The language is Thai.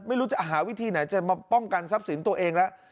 ไม่รู้จะหาวิธีไหนจะมาป้องกันทรัพย์สินตัวเองแล้ว